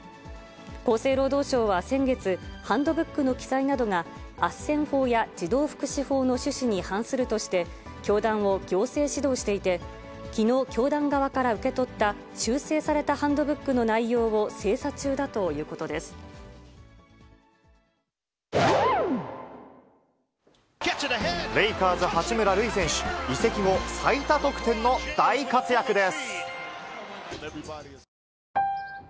厚生労働省は先月、ハンドブックの記載などが、あっせん法や児童福祉法の趣旨に反するとして、教団を行政指導していて、きのう、教団側から受け取った、修正されたハンドブックの内容を精査中だということです。